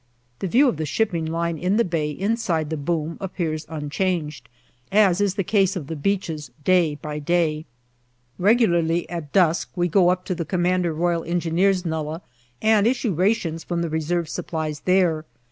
The view of the shipping lying in the bay inside the boom appears unchanged, as is the case of the beaches day by day. Regularly at dusk we go up to the C.R.E. nullah and issue rations from the reserve supplies there.